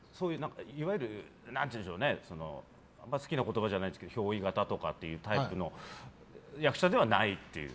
いわゆる好きな言葉じゃないんですけど憑依型とかっていうタイプの役者ではない。